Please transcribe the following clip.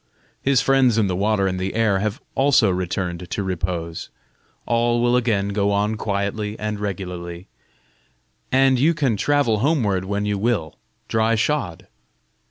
His friends in the water and the air have also returned to repose: all will again go on quietly and regularly, and you can travel homeward when you will, dry shod."